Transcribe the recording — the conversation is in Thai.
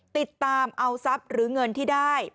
ติดตามเอาทรัพย์หรือเงินที่ได้